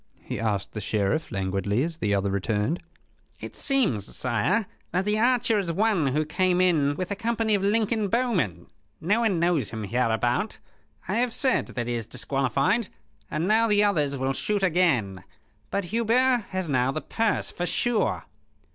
he asked the Sheriff, languidly, as the other returned. "It seems, sire, that the archer is one who came in with a company of Lincoln bowmen. No one knows him hereabout. I have said that he is disqualified, and now the others will shoot again. But Hubert has now the purse, for sure."